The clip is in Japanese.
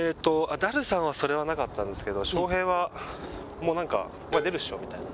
ダルさんはそれはなかったんですけど翔平はもうなんか「お前出るっしょ？」みたいな。